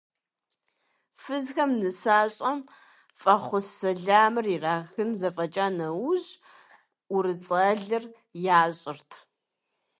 Фызхэм нысащӀэм фӀэхъус-сэламыр ирахын зэфӀэкӀа нэужь, ӀурыцӀэлъыр ящӀырт.